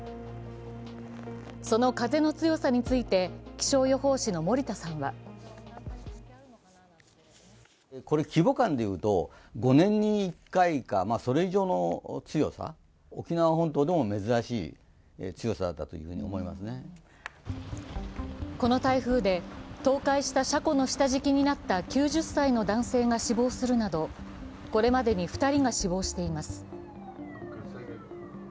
その風の強さについて気象予報士の森田さんはこの台風で、倒壊した車庫の下敷きになった９０歳の男性が死亡するなど、これまでに２人が死亡しています。